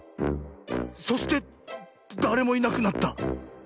そしてだれもいなくなった。